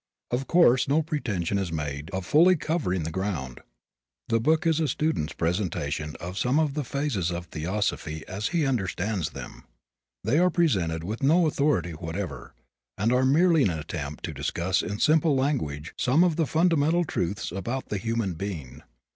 Of course no pretension is made of fully covering the ground. The book is a student's presentation of some of the phases of theosophy as he understands them. They are presented with no authority whatever, and are merely an attempt to discuss in simple language some of the fundamental truths about the human being.